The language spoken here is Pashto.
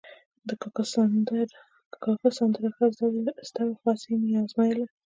د کاکا سندره ښه زده وه، خو هسې مې ازمایله.